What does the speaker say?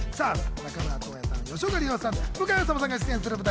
中村倫也さん、吉岡里帆さん、向井理さんが出演する舞台